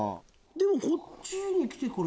でもこっちに来てから。